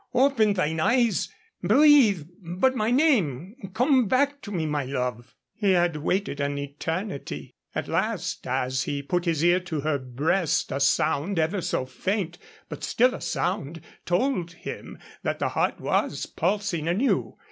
Open thine eyes! Breathe but my name! Come back to me, my love!" He had waited an eternity. At last, as he put his ear to her breast, a sound, ever so faint, but still a sound, told him that the heart was pulsing anew.